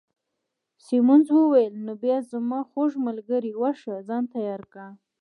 سیمونز وویل: نو بیا زما خوږ ملګرې، ورشه ځان تیار کړه.